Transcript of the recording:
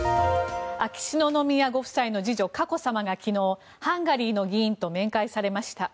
秋篠宮ご夫妻の次女・佳子さまが昨日、ハンガリーの議員と面会されました。